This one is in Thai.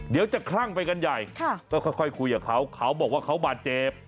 เดี๋ยวจะคลั่งไปกันใหญ่ก็ค่อยคุยกับเขาเขาบอกว่าเขาบาดเจ็บ